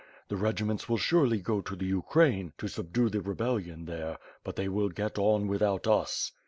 The regiments will surely go to the Ukraine, to subdue the rebellion there, but they will get on without us."